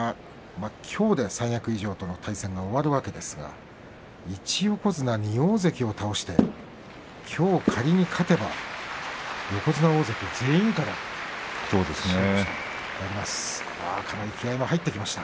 きょうで三役以上との対戦が終わりますが１横綱２大関を倒してきょう仮に勝てば横綱、大関全員から白星ということになります。